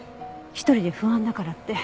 一人で不安だからって。